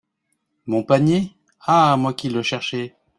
Mon panier, ah ! moi qui le cherchais !